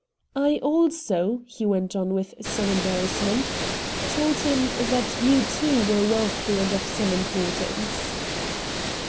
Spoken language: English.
I also," he went on, with some embarrassment, "told him that you, too, were wealthy and of some importance."